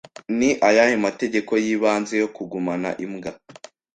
Ni ayahe mategeko y'ibanze yo kugumana imbwa?